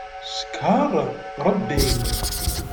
Ckeṛ Rebbi.